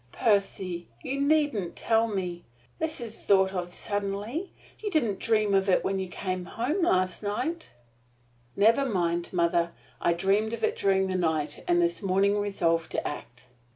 "Percy! You needn't tell me! This is thought of suddenly. You didn't dream of it when you came home last evening." "Never mind, mother. I dreamed of it during the night and this morning resolved to act."